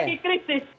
ini negara lagi krisis